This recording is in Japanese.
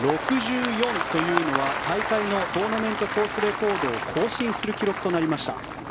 ６４というのは大会のトーナメントコースレコードを更新する記録となりました。